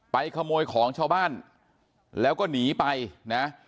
ขโมยของชาวบ้านแล้วก็หนีไปนะ